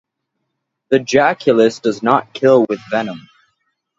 The jaculus does not kill with venom.